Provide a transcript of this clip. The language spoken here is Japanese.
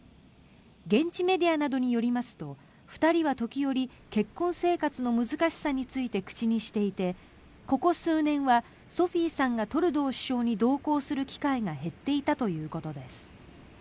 現地メディアなどによりますと２人は時折結婚生活の難しさについて口にしていてここ数年はソフィーさんがトルドー首相に同行する機会が減っていたということです。